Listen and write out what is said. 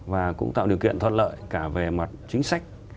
và cũng tạo điều kiện thoát lợi cả về mặt chính sách